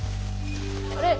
あれ？